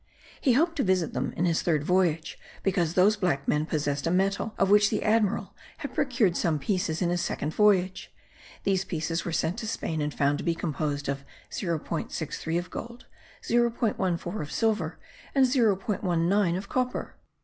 He hoped to visit them in his third voyage because those black men possessed a metal of which the admiral had procured some pieces in his second voyage. These pieces were sent to Spain and found to be composed of 0.63 of gold, 0.14 of silver and 0.19 of copper.